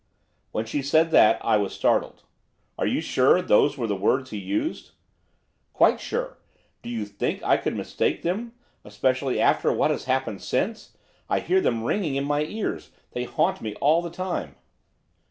When she said that, I was startled. 'Are you sure those were the words he used?' 'Quite sure. Do you think I could mistake them, especially after what has happened since? I hear them singing in my ears, they haunt me all the time.